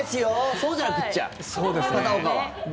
そうじゃなくっちゃ、片岡は。